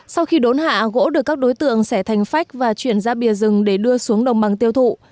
sau khi đốn hạ gỗ được các đối tượng xẻ thành phách và chuyển ra bìa rừng để đưa xuống đồng bằng tiêu thụ